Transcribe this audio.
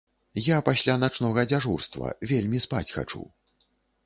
Я пасля начнога дзяжурства, вельмі спаць хачу.